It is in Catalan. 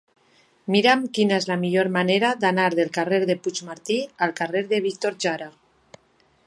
Mira'm quina és la millor manera d'anar del carrer de Puigmartí al carrer de Víctor Jara.